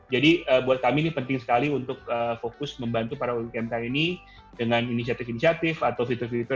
jadi buat kami ini penting sekali untuk fokus membantu para umkm ini dengan inisiatif inisiatif atau fitur fitur